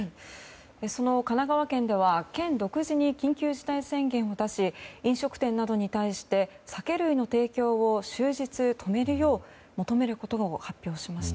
その神奈川県では県独自に緊急事態宣言を出し飲食店などに対して酒類の提供を終日止めるよう求めることを発表しました。